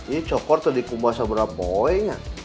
ini cokor tuh dikubah sama boy ya